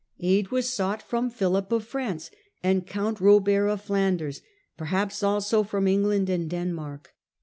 Aid was sought from Philip of France and count Robert of Flanders ; perhaps also from England and Denmark.